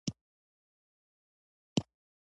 منی د افغانستان د فرهنګي فستیوالونو برخه ده.